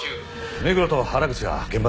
目黒と原口は現場だ。